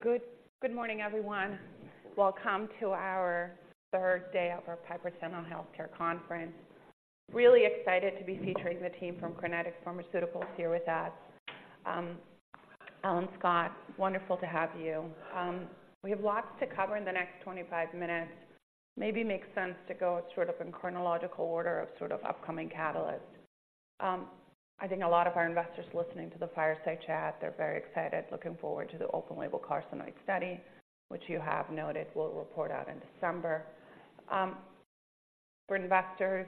Good morning, everyone. Welcome to our third day of our Piper Sandler Healthcare Conference. Really excited to be featuring the team from Crinetics Pharmaceuticals here with us. Alan, Scott, wonderful to have you. We have lots to cover in the next 25 minutes. Maybe makes sense to go sort of in chronological order of sort of upcoming catalysts. I think a lot of our investors listening to the fireside chat, they're very excited, looking forward to the open label carcinoid study, which you have noted will report out in December. For investors,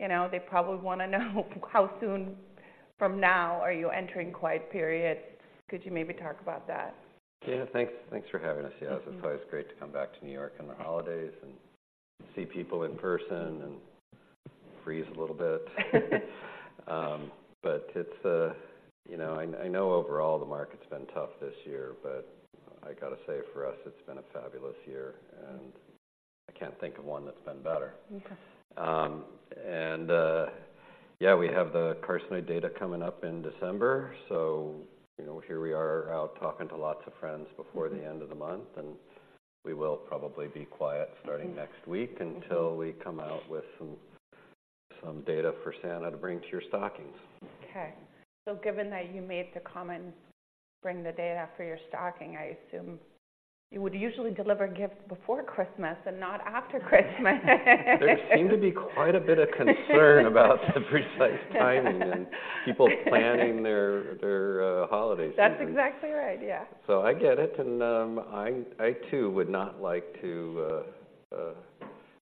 you know, they probably wanna know how soon from now are you entering quiet period. Could you maybe talk about that? Yeah, thanks, thanks for having us. Mm-hmm. Yeah, it's always great to come back to New York in the holidays and see people in person and freeze a little bit. But it's, you know, I know overall the market's been tough this year, but I gotta say, for us, it's been a fabulous year. Mm. I can't think of one that's been better. Okay. Yeah, we have the carcinoid data coming up in December, so you know, here we are out talking to lots of friends before- Mm the end of the month, and we will probably be quiet starting- Mm-hmm -next week- Mm-hmm until we come out with some data for Santa to bring to your stockings. Okay. So given that you made the comment, bring the data for your stocking, I assume you would usually deliver gifts before Christmas and not after Christmas. There seemed to be quite a bit of concern about the precise timing and people planning their holiday season. That's exactly right, yeah. So I get it, and I too would not like to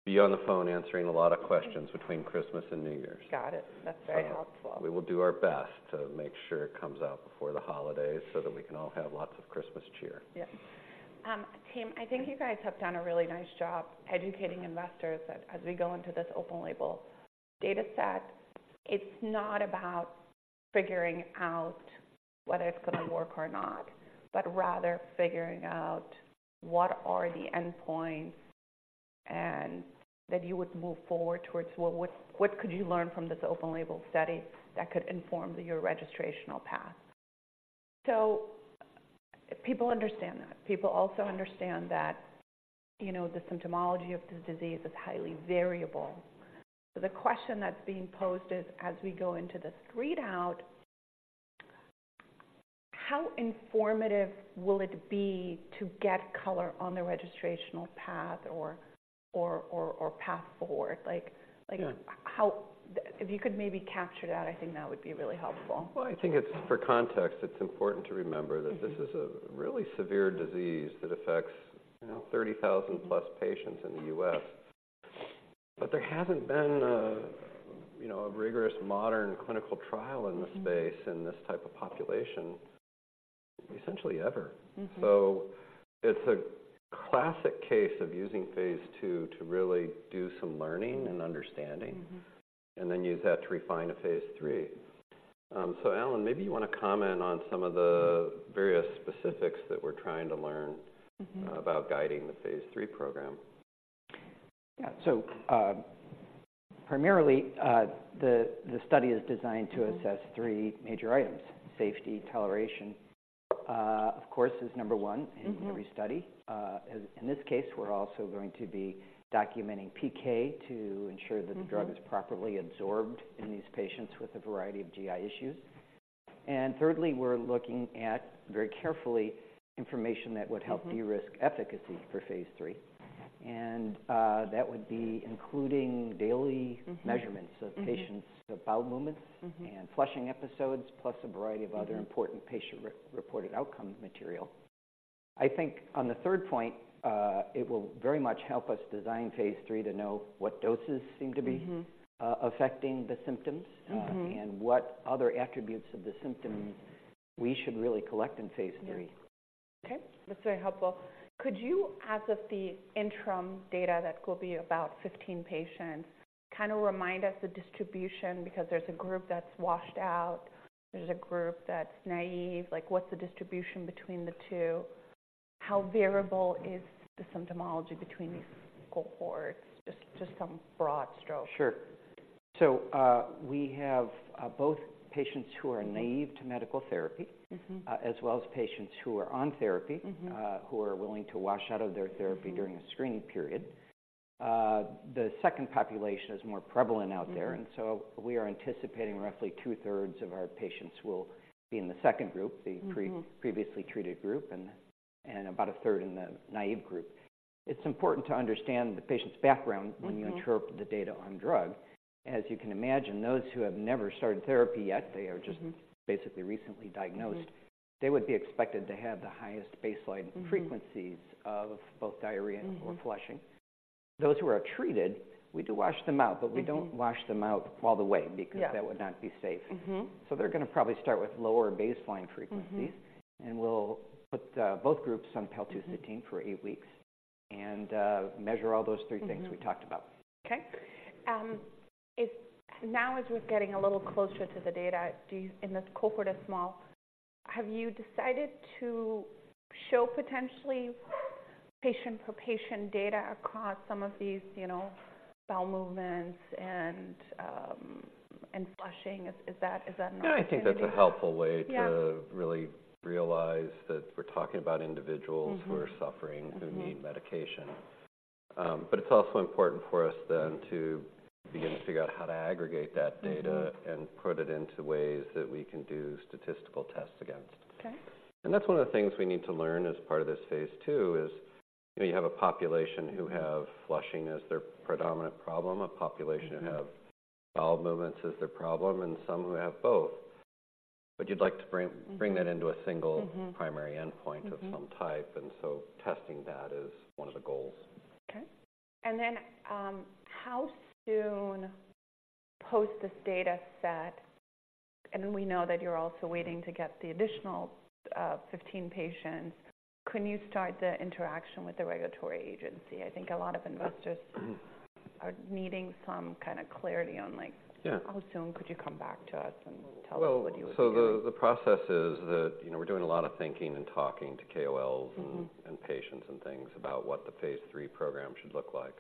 be on the phone answering a lot of questions between Christmas and New Year's. Got it. That's very helpful. We will do our best to make sure it comes out before the holidays so that we can all have lots of Christmas cheer. Yeah. Team, I think you guys have done a really nice job educating investors that as we go into this open label data set, it's not about figuring out whether it's gonna work or not, but rather figuring out what are the endpoints, and that you would move forward towards, well, what could you learn from this open label study that could inform your registrational path? So people understand that. People also understand that, you know, the symptomology of this disease is highly variable. So the question that's being posed is, as we go into this read out, how informative will it be to get color on the registrational path or path forward? Like- Yeah... how, if you could maybe capture that, I think that would be really helpful. Well, I think it's, for context, it's important to remember- Mm-hmm -that this is a really severe disease that affects, you know, 30,000+ Mm-hmm patients in the U.S. But there hasn't been a, you know, a rigorous modern clinical trial in this space. Mm-hmm -in this type of population, essentially ever. Mm-hmm. It's a classic case of using phase II to really do some learning- Mm -and understanding. Mm-hmm. And then use that to refine a phase III. So Alan, maybe you wanna comment on some of the various specifics that we're trying to learn- Mm-hmm about guiding the phase III program? Yeah. So, primarily, the study is designed to assess- Mm-hmm -three major items: safety, toleration, of course, is number one- Mm-hmm -in every study. In this case, we're also going to be documenting PK to ensure that- Mm-hmm The drug is properly absorbed in these patients with a variety of GI issues. And thirdly, we're looking at, very carefully, information that would help- Mm-hmm -de-risk efficacy for phase III. And, that would be including daily- Mm-hmm measurements of patients' Mm-hmm of bowel movements Mm-hmm and flushing episodes, plus a variety of other Mm-hmm important patient-reported outcome material. I think on the third point, it will very much help us design phase III to know what doses seem to be- Mm-hmm affecting the symptoms. Mm-hmm. What other attributes of the symptoms we should really collect in phase III? Yeah. Okay, that's very helpful. Could you, as of the interim data, that will be about 15 patients, kind of remind us the distribution? Because there's a group that's washed out, there's a group that's naive, like, what's the distribution between the two? How variable is the symptomatology between these cohorts? Just some broad strokes. Sure. So, we have both patients who are naive- Mm-hmm to medical therapy Mm-hmm... as well as patients who are on therapy- Mm-hmm who are willing to wash out of their therapy. Mm-hmm -during a screening period. The second population is more prevalent out there- Mm-hmm And so we are anticipating roughly two-thirds of our patients will be in the second group, the pre- Mm-hmm -previously treated group, and about a third in the naive group. It's important to understand the patient's background- Mm-hmm -when you interpret the data on drug. As you can imagine, those who have never started therapy yet, they are just- Mm-hmm Basically recently diagnosed. Mm-hmm they would be expected to have the highest baseline frequencies. Mm-hmm of both diarrhea Mm-hmm or flushing. Those who are treated, we do wash them out. Mm-hmm but we don't wash them out all the way, because- Yeah that would not be safe. Mm-hmm. They're gonna probably start with lower baseline frequencies. Mm-hmm. And we'll put both groups on paltusotine Mm-hmm -for eight weeks and, measure all those three things- Mm-hmm we talked about. Okay. If now, as we're getting a little closer to the data, do you, and this cohort is small, have you decided to show potentially-... patient per patient data across some of these, you know, bowel movements and, and flushing. Is, is that, is that an- No, I think that's a helpful way- Yeah to really realize that we're talking about individuals- Mm-hmm who are suffering Mm-hmm - who need medication. But it's also important for us then to begin to figure out how to aggregate that data- Mm-hmm and put it into ways that we can do statistical tests against. Okay. That's one of the things we need to learn as part of this phase II is, you know, you have a population who have flushing as their predominant problem, a population- Mm-hmm who have bowel movements as their problem, and some who have both. But you'd like to bring- Mm-hmm bring that into a single- Mm-hmm primary endpoint Mm-hmm of some type, and so testing that is one of the goals. Okay. Then, how soon post this data set, and we know that you're also waiting to get the additional 15 patients, can you start the interaction with the regulatory agency? I think a lot of investors are needing some kind of clarity on, like- Yeah How soon could you come back to us and tell us what you were doing? Well, so the process is that, you know, we're doing a lot of thinking and talking to KOLs- Mm-hmm... and patients and things about what the phase III program should look like.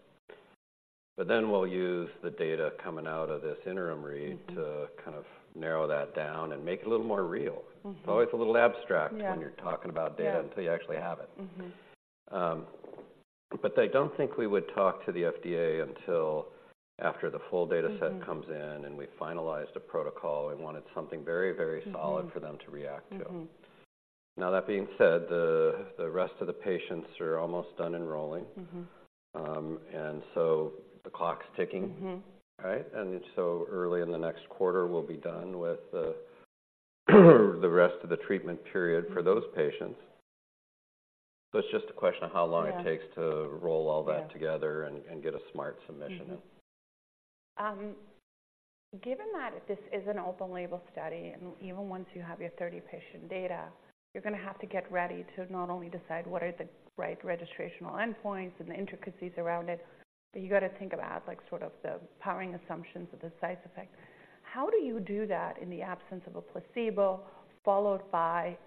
But then we'll use the data coming out of this interim read- Mm-hmm to kind of narrow that down and make it a little more real. Mm-hmm. It's always a little abstract- Yeah - when you're talking about data- Yeah - until you actually have it. Mm-hmm. But I don't think we would talk to the FDA until after the full data set- Mm-hmm - comes in and we finalized a protocol. We wanted something very, very solid- Mm-hmm - for them to react to. Mm-hmm. Now, that being said, the rest of the patients are almost done enrolling. Mm-hmm. So the clock's ticking. Mm-hmm. Right? And so early in the next quarter, we'll be done with the rest of the treatment period- Mm-hmm for those patients. So it's just a question of how long- Yeah It takes to roll all that. Yeah together and get a smart submission in. Mm-hmm. Given that this is an open-label study, and even once you have your 30-patient data, you're gonna have to get ready to not only decide what are the right registrational endpoints and the intricacies around it, but you got to think about, like, sort of the powering assumptions of the size effect. How do you do that in the absence of a placebo, followed by,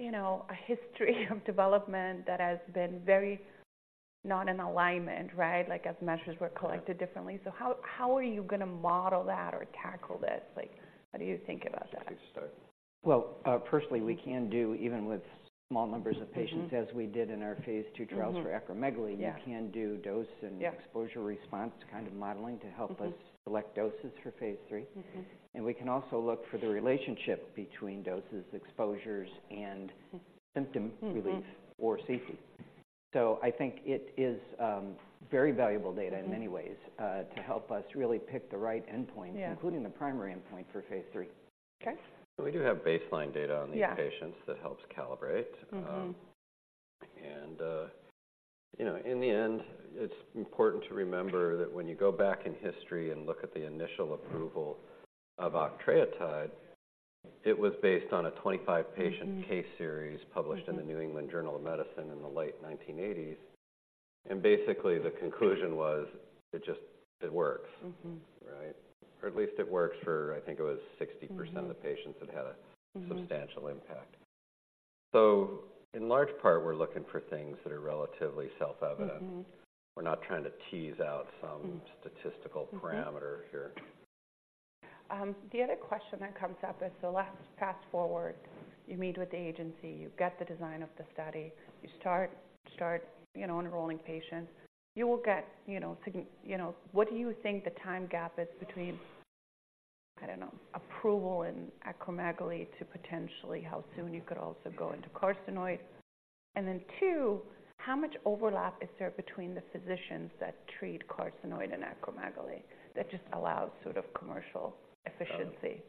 you know, a history of development that has been very not in alignment, right? Like, as measures were- Right collected differently. So how, how are you gonna model that or tackle this? Like, what do you think about that? Good start. Well, personally, we can do, even with small numbers of patients- Mm-hmm - as we did in our phase II trials- Mm-hmm - for acromegaly. Yeah. We can do dose and- Yeah - exposure response kind of modeling to help us- Mm-hmm - select doses for phase III. Mm-hmm. We can also look for the relationship between doses, exposures, and- Mm-hmm symptom relief Mm-hmm or safety. So I think it is very valuable data- Mm-hmm in many ways, to help us really pick the right endpoint- Yeah - including the primary endpoint for Phase III. Okay. We do have baseline data on these- Yeah patients that helps calibrate. Mm-hmm. You know, in the end, it's important to remember that when you go back in history and look at the initial approval of octreotide, it was based on a 25-patient Mm-hmm case series published Mm-hmm - in the New England Journal of Medicine in the late 1980s, and basically, the conclusion was, it just... it works. Mm-hmm. Right? Or at least it works for, I think it was 60%- Mm-hmm of the patients that had a- Mm-hmm - substantial impact. So in large part, we're looking for things that are relatively self-evident. Mm-hmm. We're not trying to tease out some- Mm - statistical parameters here. Mm-hmm. The other question that comes up is the last, fast forward, you meet with the agency, you get the design of the study, you start, you know, enrolling patients. You will get, you know, what do you think the time gap is between, I don't know, approval and acromegaly to potentially how soon you could also go into carcinoid? And then two, how much overlap is there between the physicians that treat carcinoid and acromegaly, that just allows sort of commercial efficiency?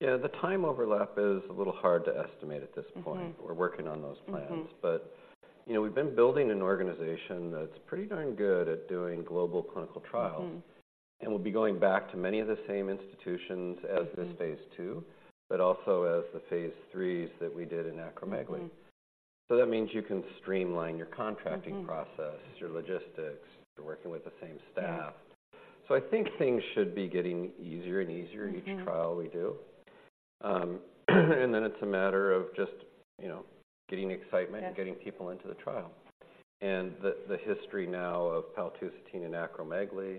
Yeah, the time overlap is a little hard to estimate at this point. Mm-hmm. We're working on those plans. Mm-hmm. But, you know, we've been building an organization that's pretty darn good at doing global clinical trials. Mm-hmm. We'll be going back to many of the same institutions as- Mm-hmm - this phase II, but also as the phase III that we did in acromegaly. Mm-hmm. That means you can streamline your contracting- Mm-hmm process, your logistics. You're working with the same staff. Yeah. I think things should be getting easier and easier- Mm-hmm - each trial we do. And then it's a matter of just, you know, getting excitement- Yeah - and getting people into the trial. And the history now of paltusotine in acromegaly,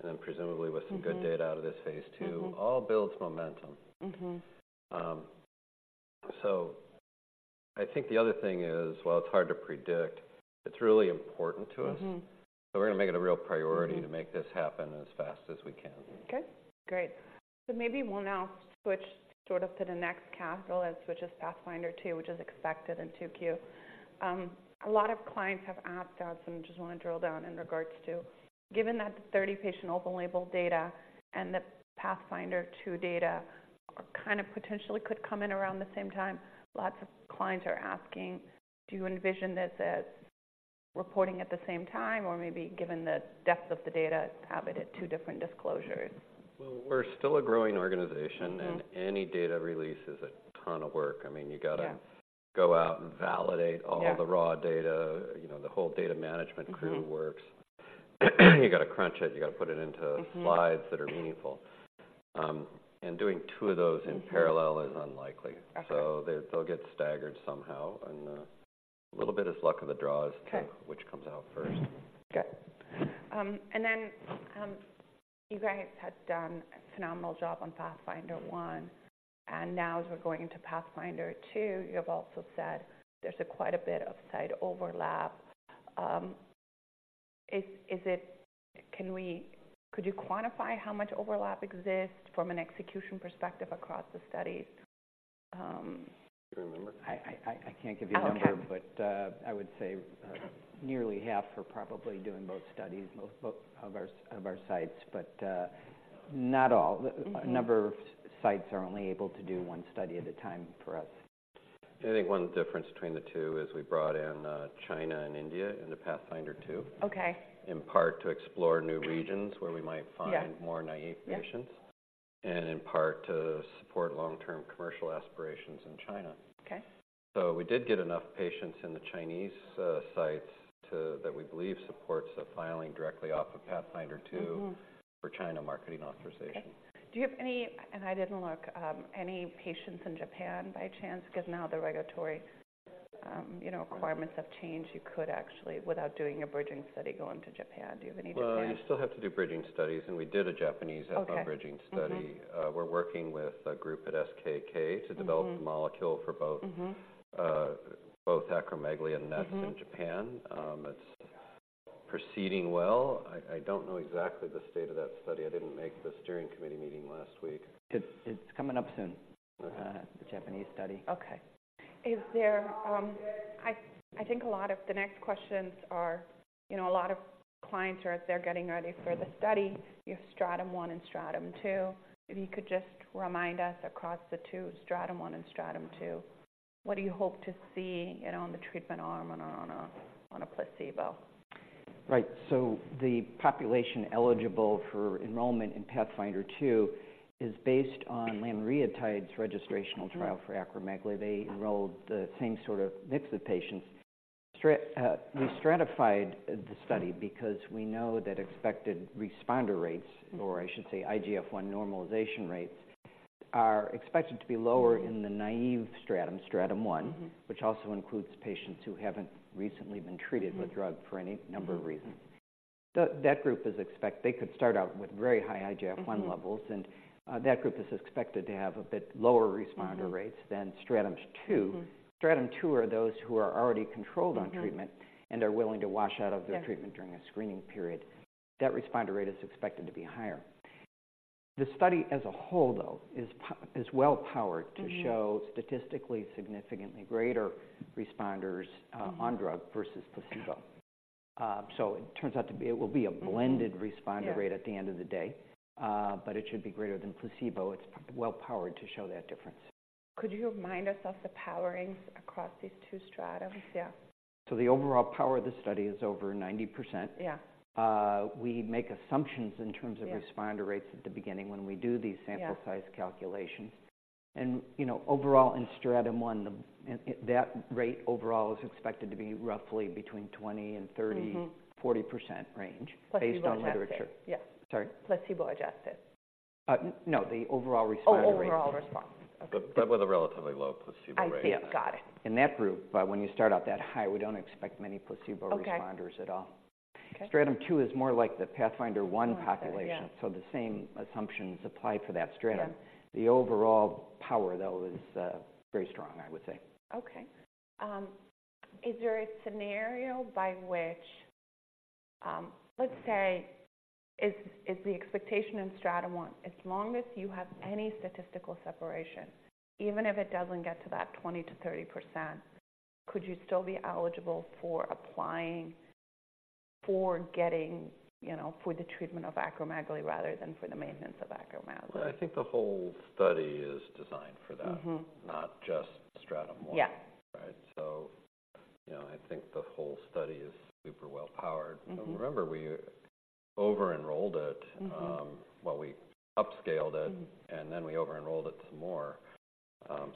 and then presumably with- Mm-hmm - some good data out of this phase II- Mm-hmm - all builds momentum. Mm-hmm. I think the other thing is, while it's hard to predict, it's really important to us. Mm-hmm. So we're gonna make it a real priority- Mm-hmm to make this happen as fast as we can. Okay, great. So maybe we'll now switch sort of to the next capital, and switch to PATHFNDR-2, which is expected in 2Q. A lot of clients have asked us, and just want to drill down in regards to... Given that the 30-patient open label data and the PATHFNDR-2 data kind of potentially could come in around the same time, lots of clients are asking: Do you envision this as reporting at the same time, or maybe given the depth of the data, have it at two different disclosures? Well, we're still a growing organization- Mm-hmm - and any data release is a ton of work. I mean, you gotta- Yeah go out and validate all- Yeah - the raw data, you know, the whole data management crew works. You gotta crunch it, you gotta put it into- Mm-hmm. -slides that are meaningful. And doing two of those- Mm-hmm. in parallel is unlikely. Okay. So they, they'll get staggered somehow, and little bit is luck of the draw as to- Okay. which comes out first. Good. And then, you guys have done a phenomenal job on PATHFNDR-1, and now as we're going into PATHFNDR-2, you've also said there's quite a bit of site overlap. Could you quantify how much overlap exists from an execution perspective across the studies? Do you remember? I can't give you a number- Okay. But, I would say, nearly half are probably doing both studies, both, both of our, of our sites, but not all. Mm-hmm. A number of sites are only able to do one study at a time for us. I think one difference between the two is we brought in, China and India in the PATHFNDR-2. Okay. In part to explore new regions where we might find- Yeah... more naive patients, and in part to support long-term commercial aspirations in China. Okay. So we did get enough patients in the Chinese sites to that we believe supports the filing directly off of PATHFNDR-2. Mm-hmm. -for China marketing authorization. Okay. Do you have any, and I didn't look, any patients in Japan by chance? Because now the regulatory, you know, requirements have changed. You could actually, without doing a bridging study, go into Japan. Do you have any in Japan? Well, you still have to do bridging studies, and we did a Japanese- Okay. bridging study. Mm-hmm. We're working with a group at SKK- Mm-hmm... to develop the molecule for both- Mm-hmm... both acromegaly and NETs- Mm-hmm... in Japan. It's proceeding well. I don't know exactly the state of that study. I didn't make the steering committee meeting last week. It's coming up soon. Okay... the Japanese study. Okay. Is there, I think a lot of the next questions are, you know, a lot of clients are, they're getting ready for the study. You have stratum one and stratum two. If you could just remind us across the two, stratum one and stratum two, what do you hope to see, you know, on the treatment arm and on a placebo? Right. So the population eligible for enrollment in PATHFNDR-2 is based on lanreotide's registrational trial- Mm... for acromegaly. They enrolled the same sort of mix of patients. We stratified the study because we know that expected responder rates, or I should say IGF-1 normalization rates, are expected to be lower- Mm... in the naive stratum, stratum one- Mm-hmm... which also includes patients who haven't recently been treated- Mm... with drug for any number of reasons. Mm-hmm. They could start out with very high IGF-1 levels. Mm-hmm... and that group is expected to have a bit lower responder rates- Mm-hmm... than stratum two. Mm-hmm. Stratum two are those who are already controlled on treatment- Mm-hmm... and are willing to wash out of their- Yes... treatment during a screening period. That responder rate is expected to be higher. The study as a whole, though, is well powered- Mm-hmm... to show statistically significantly greater responders, Mm-hmm... on drug versus placebo. So it turns out to be, it will be a blended- Mm-hmm... responder rate- Yeah... at the end of the day, but it should be greater than placebo. It's well powered to show that difference. Could you remind us of the powering across these two strata? Yeah. The overall power of the study is over 90%. Yeah. We make assumptions in terms of- Yeah... responder rates at the beginning when we do these- Yeah... sample size calculations. And, you know, overall, in stratum one, that rate overall is expected to be roughly between 20 and 30- Mm-hmm... 40% range- Placebo adjusted... based on literature. Yeah. Sorry? Placebo adjusted. No, the overall responder rate. Oh, overall response. Okay. But with a relatively low placebo rate. I see. Got it. In that group, but when you start out that high, we don't expect many placebo- Okay... responders at all. Okay. Stratum two is more like the PATHFNDR-1 population. Yeah. The same assumptions apply for that stratum. Yeah. The overall power, though, is very strong, I would say. Okay. Is there a scenario by which... Let's say, is the expectation in stratum one, as long as you have any statistical separation, even if it doesn't get to that 20%-30%, could you still be eligible for applying, for getting, you know, for the treatment of acromegaly rather than for the maintenance of acromegaly? I think the whole study is designed for that- Mm-hmm... not just stratum 1. Yeah. Right? So, you know, I think the whole study is super well powered. Mm-hmm. Remember, we over-enrolled it- Mm-hmm... well, we upscaled it- Mm... and then we over-enrolled it some more.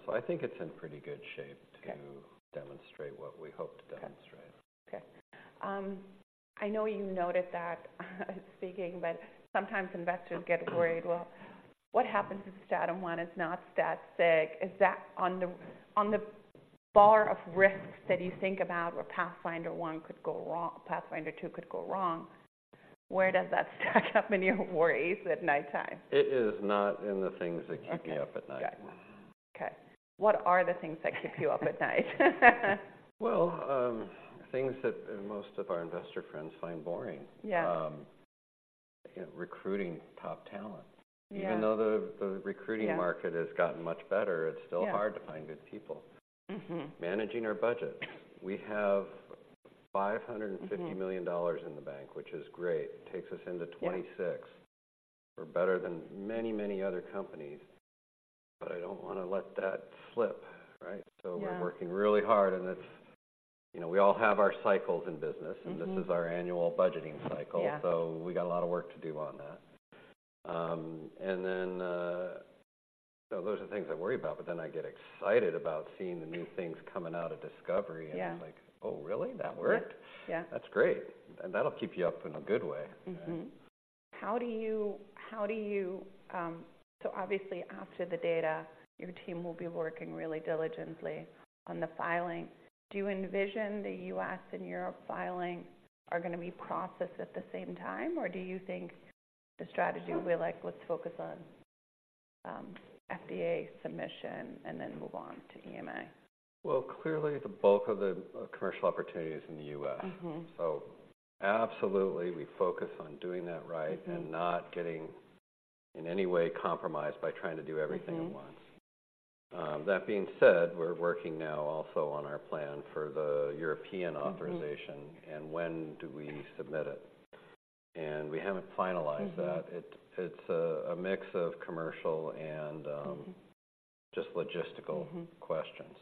So I think it's in pretty good shape. Okay... to demonstrate what we hope to demonstrate. Okay. I know you noted that speaking, but sometimes investors get worried. "Well, what happens if stratum one is not that sick?" Is that on the bar of risks that you think about where PATHFNDR-1 could go wrong, PATHFNDR-2 could go wrong, where does that stack up in your worries at nighttime? It is not in the things that keep- Okay... me up at night. Got it. Okay. What are the things that keep you up at night? Well, things that most of our investor friends find boring. Yeah. You know, recruiting top talent. Yeah. Even though the Yeah... recruiting market has gotten much better- Yeah... it's still hard to find good people. Mm-hmm. Managing our budget. We have $550- Mm-hmm... million in the bank, which is great. Takes us into 2026. Yeah. We're better than many, many other companies, but I don't wanna let that slip, right? Yeah. We're working really hard, and it's... you know, we all have our cycles in business. Mm-hmm... and this is our annual budgeting cycle. Yeah. So we got a lot of work to do on that. So those are the things I worry about, but then I get excited about seeing the new things coming out of discovery. Yeah. It's like: "Oh, really? That worked? Yeah. Yeah. That's great, and that'll keep you up in a good way. Mm-hmm. How do you... So obviously after the data, your team will be working really diligently on the filing. Do you envision the U.S. and Europe filing are gonna be processed at the same time, or do you think the strategy will be like, "Let's focus on, FDA submission and then move on to EMA? Well, clearly, the bulk of the commercial opportunity is in the U.S. Mm-hmm. Absolutely, we focus on doing that right- Mm-hmm And not getting in any way compromised by trying to do everything at once. Mm-hmm. That being said, we're working now also on our plan for the European authorization- Mm-hmm And when do we submit it? And we haven't finalized that. Mm-hmm. It's a mix of commercial and Mm-hmm -just logistical- Mm-hmm Questions.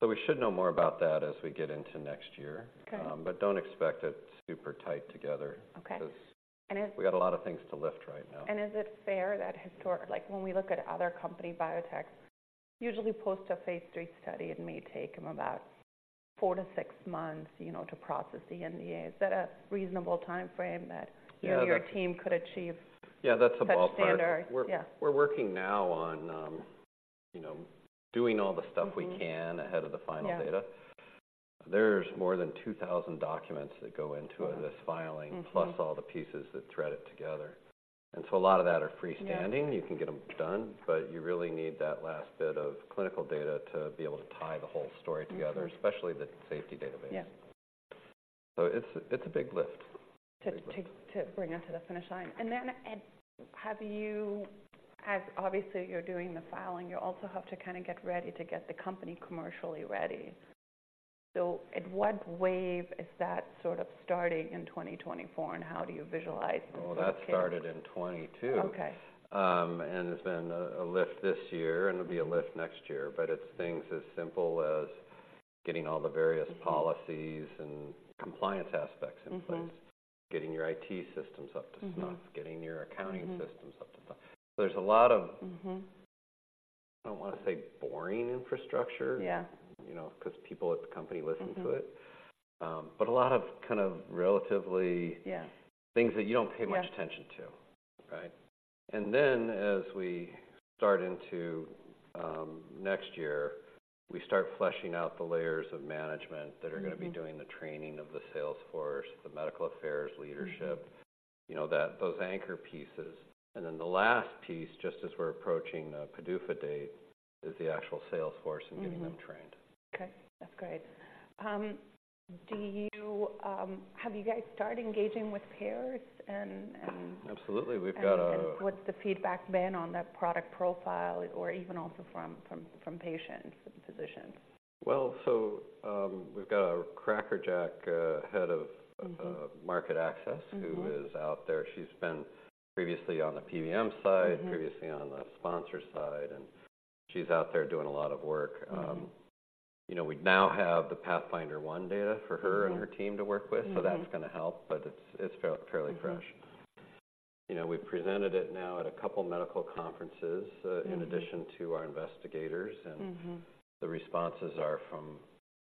So we should know more about that as we get into next year. Okay. But don't expect it super tight together- Okay -because- And if- We've got a lot of things to lift right now. Is it fair that historic... Like, when we look at other company biotechs, usually post a phase III study, it may take them about four to six months, you know, to process the NDA. Is that a reasonable timeframe that- Yeah, that- you and your team could achieve Yeah, that's about right.... that standard. Yeah. We're working now on, you know, doing all the stuff we can- Mm-hmm ahead of the final data. Yeah. There's more than 2,000 documents that go into- Yeah -this filing- Mm-hmm plus all the pieces that thread it together, and so a lot of that are freestanding. Yeah. You can get them done, but you really need that last bit of clinical data to be able to tie the whole story together- Mm-hmm -especially the safety database. Yeah. It's, it's a big lift. To bring it to the finish line. And then... have you... As obviously you're doing the filing, you also have to kind of get ready to get the company commercially ready. So at what wave is that sort of starting in 2024, and how do you visualize the- Well, that started in 2022. Okay. And there's been a lift this year, and there'll be a lift next year, but it's things as simple as getting all the various- Mm-hmm Policies and compliance aspects in place. Mm-hmm. Getting your IT systems up to snuff- Mm-hmm getting your accounting systems Mm-hmm up to snuff. There's a lot of- Mm-hmm I don't want to say boring infrastructure. Yeah You know, because people at the company listen to it. Mm-hmm. But a lot of kind of relatively- Yeah things that you don't pay much attention Yeah -to, right? And then, as we start into next year, we start fleshing out the layers of management that are gonna- Mm-hmm be doing the training of the sales force, the medical affairs leadership Mm-hmm you know, that, those anchor pieces. And then the last piece, just as we're approaching the PDUFA date, is the actual sales force- Mm-hmm and getting them trained. Okay, that's great. Do you... have you guys started engaging with payers and, and- Absolutely. We've got a- What's the feedback been on that product profile or even also from patients and physicians? Well, so, we've got a crackerjack head of- Mm-hmm market access Mm-hmm who is out there. She's been previously on the PBM side. Mm-hmm Previously on the sponsor side, and she's out there doing a lot of work. Mm-hmm. You know, we now have the PATHFNDR-1 data for her- Mm-hmm and her team to work with Mm-hmm So that's gonna help, but it's fairly fresh. Mm-hmm. You know, we've presented it now at a couple medical conferences, Mm-hmm in addition to our investigators, and Mm-hmm the responses are from,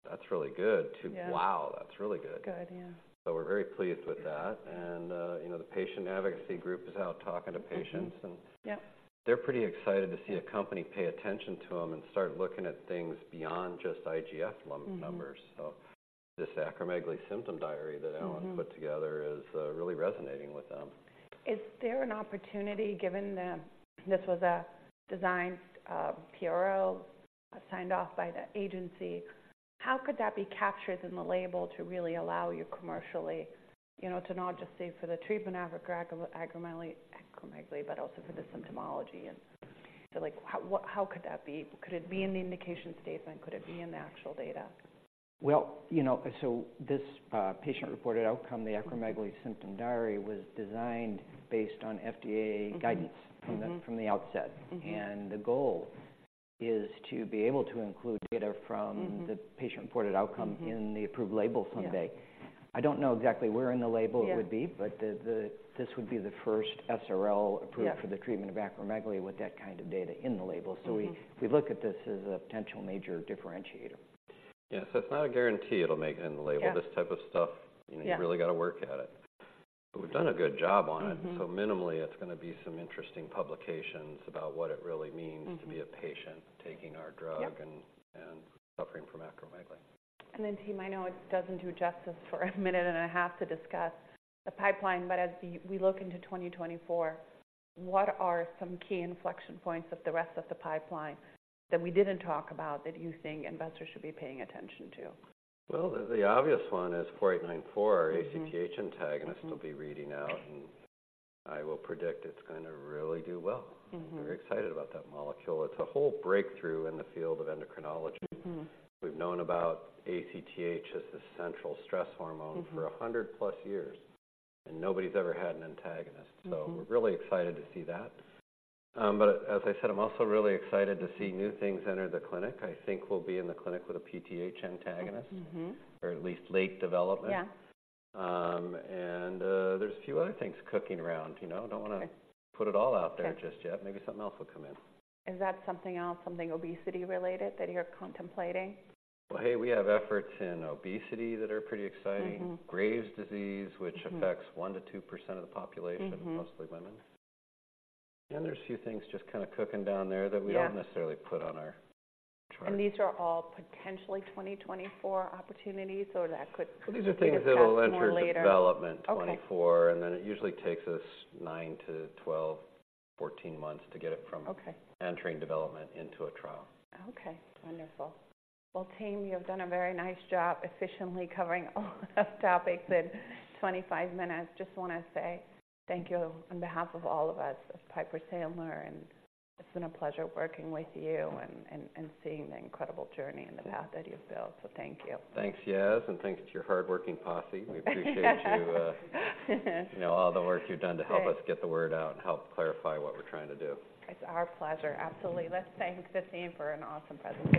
"That's really good," to- Yeah Wow, that's really good! Good, yeah. So we're very pleased with that. And, you know, the patient advocacy group is out talking to patients, and- Mm-hmm. Yep They're pretty excited to see a company pay attention to them and start looking at things beyond just IGF-1 numbers. Mm-hmm. This Acromegaly Symptom Diary that Alan- Mm-hmm put together is, really resonating with them. Is there an opportunity, given that this was a designed PRO, signed off by the agency, how could that be captured in the label to really allow you commercially, you know, to not just say, for the treatment of acromegaly, acromegaly, but also for the symptomology? And so, like, how could that be? Could it be in the indication statement? Could it be in the actual data? Well, you know, so this patient-reported outcome, the Acromegaly Symptom Diary, was designed based on FDA guidance- Mm-hmm from the outset. Mm-hmm. The goal is to be able to include data from- Mm-hmm the patient-reported outcome Mm-hmm in the approved label someday. Yeah. I don't know exactly where in the label it would be- Yeah This would be the first SRL approved. Yeah for the treatment of acromegaly with that kind of data in the label. Mm-hmm. So we look at this as a potential major differentiator. Yeah. So it's not a guarantee it'll make it in the label. Yeah. This type of stuff- Yeah You know, you've really got to work at it. But we've done a good job on it. Mm-hmm. Minimally, it's gonna be some interesting publications about what it really means- Mm-hmm to be a patient taking our drug Yep and suffering from acromegaly. Then, team, I know it doesn't do justice for a minute and a half to discuss the pipeline, but as we look into 2024, what are some key inflection points of the rest of the pipeline that we didn't talk about, that you think investors should be paying attention to? Well, the obvious one is 4894- Mm-hmm ACTH antagonist will be reading out, and I will predict it's gonna really do well. Mm-hmm. Very excited about that molecule. It's a whole breakthrough in the field of endocrinology. Mm-hmm. We've known about ACTH as the central stress hormone- Mm-hmm for 100+ years, and nobody's ever had an antagonist. Mm-hmm. So we're really excited to see that. But as I said, I'm also really excited to see new things enter the clinic. I think we'll be in the clinic with a PTH antagonist- Mm-hmm or at least late development. Yeah. There's a few other things cooking around. You know, don't want to- Okay Put it all out there. Okay Just yet. Maybe something else will come in. Is that something else, something obesity-related that you're contemplating? Well, hey, we have efforts in obesity that are pretty exciting. Mm-hmm. Graves' disease- Mm-hmm which affects 1%-2% of the population Mm-hmm Mostly women. And there's a few things just kind of cooking down there. Yeah that we don't necessarily put on our chart. These are all potentially 2024 opportunities, or that could- Well, these are things that will enter- -more later... development 2024. Okay. Then it usually takes us 9-12, 14 months to get it from- Okay Entering development into a trial. Okay, wonderful. Well, team, you have done a very nice job efficiently covering a lot of topics in 25 minutes. Just want to say thank you on behalf of all of us at Piper Sandler, and it's been a pleasure working with you and seeing the incredible journey and the path that you've built. So thank you. Thanks, Yas, and thanks to your hardworking posse. We appreciate you, you know, all the work you've done. Great To help us get the word out and help clarify what we're trying to do. It's our pleasure, absolutely. Let's thank the team for an awesome presentation.